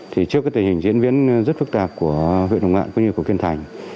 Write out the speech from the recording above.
thì trước cái tình hình diễn biến rất phức tạp của huyện hồng ngạn cũng như của kiên thành